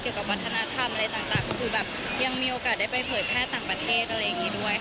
เกี่ยวกับวัฒนธรรมอะไรต่างก็คือแบบยังมีโอกาสได้ไปเผยแพร่ต่างประเทศอะไรอย่างนี้ด้วยค่ะ